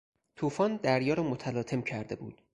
توفان دریا را متلاطم کرده بود.